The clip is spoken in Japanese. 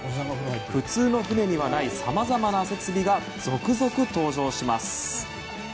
普通の船にはないさまざまな設備が続々登場します。